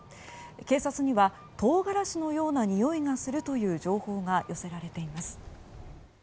警察にはトウガラシのような匂いがするという情報が寄せられています。